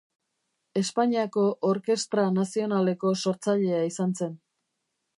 Espainiako Orkestra Nazionaleko sortzailea izan zen.